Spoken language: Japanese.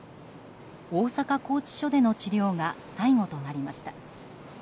大阪拘置所での治療が最後となりました。